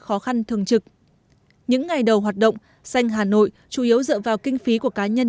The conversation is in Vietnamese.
khó khăn thường trực những ngày đầu hoạt động xanh hà nội chủ yếu dựa vào kinh phí của cá nhân